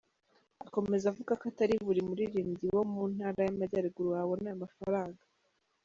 Akomeza avuga ko atari buri muririmbyi wo mu Ntara y’Amajyaruguru wabona ayo mafaranga.